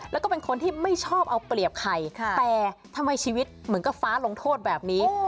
แล้วก็เป็นคนที่ไม่ชอบเอาเปรียบใครแต่ทำไมชีวิตเหมือนกับฟ้าลงโทษแบบนี้